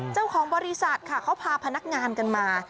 เจ้าของบริษัทค่ะเขาพาพนักงานกันมา